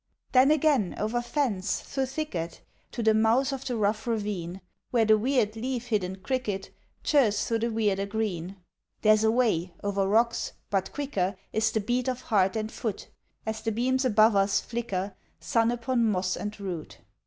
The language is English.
Then, again, o'er fence, thro' thicket, To the mouth of the rough ravine, Where the weird leaf hidden cricket Chirrs thro' the weirder green, There's a way, o'er rocks but quicker Is the beat of heart and foot, As the beams above us flicker Sun upon moss and root!